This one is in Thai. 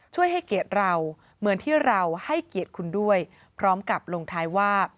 ให้เกียรติเราเหมือนที่เราให้เกียรติคุณด้วยพร้อมกับลงท้ายว่า